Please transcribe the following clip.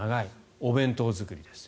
お弁当作りです。